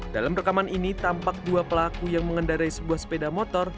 dalam rekaman ini tampak dua pelaku yang mengendarai sebuah sepeda motor